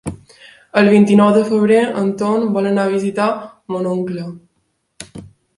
El vint-i-nou de febrer en Ton vol anar a visitar mon oncle.